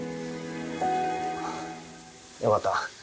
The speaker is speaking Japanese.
よかった。